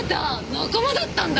仲間だったんだ！